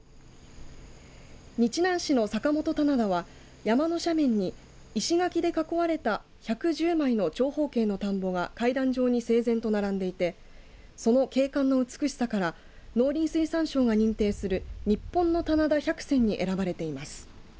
日南市の坂元棚田は山の斜面に石垣で囲われた１１０枚の長方形の田んぼが階段状に整然と並んでいてその景観の美しさから農林水産省が認定する日本の棚田百選に選ばれています。